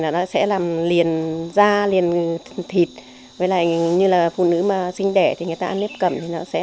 nó sẽ làm liền da liền thịt với lại như là phụ nữ mà sinh đẻ thì người ta ăn nếp cẩm